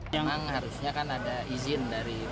memang harusnya kan ada izin dari